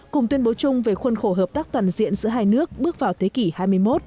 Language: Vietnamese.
cùng tuyên bố chung về khuôn khổ hợp tác toàn diện giữa hai nước bước vào thế kỷ hai mươi một